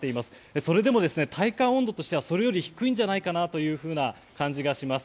それでも体感温度としてはそれより低いんじゃないかなという感じがします。